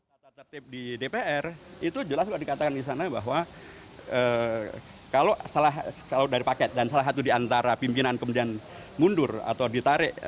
tata tertib di dpr itu jelas kalau dikatakan di sana bahwa kalau dari paket dan salah satu diantara pimpinan kemudian mundur atau ditarik